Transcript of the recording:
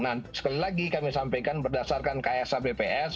nah sekali lagi kami sampaikan berdasarkan ksa bps